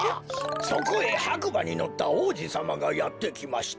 「そこへはくばにのったおうじさまがやってきました。